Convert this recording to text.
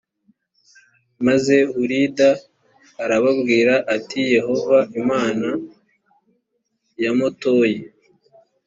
maze hulida arababwira ati yehova imana ya motoyi